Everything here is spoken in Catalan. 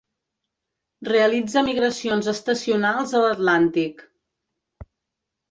Realitza migracions estacionals a l'Atlàntic.